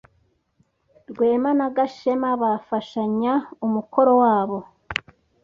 Rwema na Gashema bafashanya umukoro wabo.